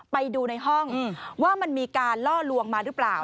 ไปดูในห้องว่ามันมีการล่อลวงมาหรือเปล่า